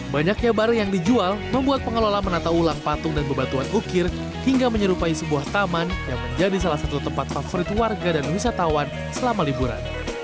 banyaknya barang yang dijual membuat pengelola menata ulang patung dan bebatuan ukir hingga menyerupai sebuah taman yang menjadi salah satu tempat favorit warga dan wisatawan selama liburan